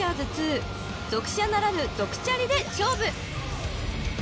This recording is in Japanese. ［族車ならぬ族チャリで勝負］